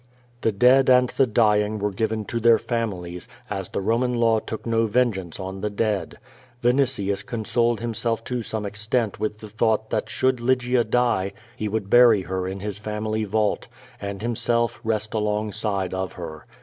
The dead and the dying were given to their families, as the Roman law took no vengeance on the dead. Vinitius con soled himself to some extent with the thought that should Lygia die, he would bury her in his family vault, and himself rest alongside of her.